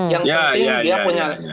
yang penting dia punya